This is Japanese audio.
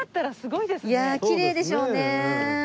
いやきれいでしょうね。